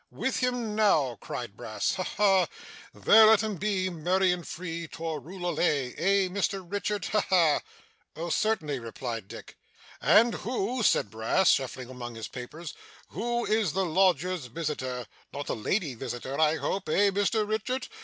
'With him now!' cried Brass; 'Ha ha! There let 'em be, merry and free, toor rul lol le. Eh, Mr Richard? Ha ha!' 'Oh certainly,' replied Dick. 'And who,' said Brass, shuffling among his papers, 'who is the lodger's visitor not a lady visitor, I hope, eh, Mr Richard?